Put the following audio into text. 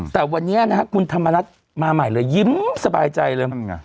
แต่วันนี้นะฮะคุณธรรมนัฐมาใหม่เลยยิ้มสบายใจเลย